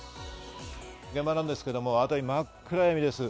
現場なんですけれども、当たり、真っ暗闇です。